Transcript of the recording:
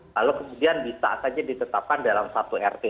lalu kemudian bisa saja ditetapkan dalam satu rt